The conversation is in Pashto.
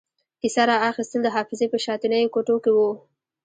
کیسه را اخیستل د حافظې په شاتنیو کوټو کې وو.